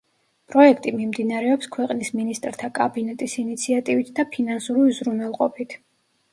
პროექტი მიმდინარეობს ქვეყნის მინისტრთა კაბინეტის ინიციატივით და ფინანსური უზრუნველყოფით.